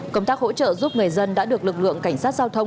công tác hỗ trợ giúp người dân đã được lực lượng cảnh sát giao thông